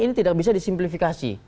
ini tidak bisa disimplifikasi